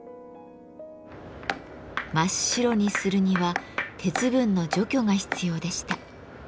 真っ白にするには鉄分の除去が必要でした。